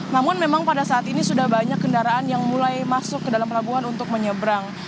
namun memang pada saat ini sudah banyak kendaraan yang mulai masuk ke dalam pelabuhan untuk menyeberang